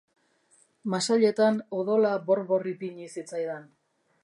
Masailetan odola bor-bor ipini zitzaidan.